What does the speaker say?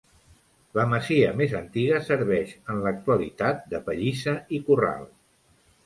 La masia més antiga serveix en l'actualitat de pallissa i corral.